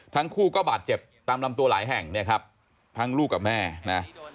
ทั้งคู่ก็บาดเจ็บตามลำตัวหลายแห่งเนี่ยครับทั้งลูกกับแม่นะ